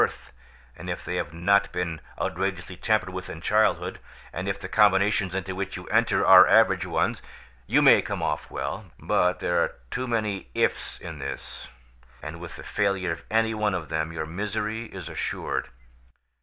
If the scales were good to start with, and if they have not been outrageously tampered with in childhood, and if the combinations into which you enter are average ones, you may come off well; but there are too many 'ifs' in this, and with the failure of any one of them your misery is assured.